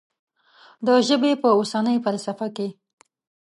د ژبې په اوسنۍ فلسفه کې.